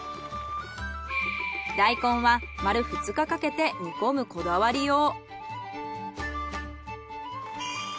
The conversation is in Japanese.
大根は丸２日かけて煮込むこだわりよう。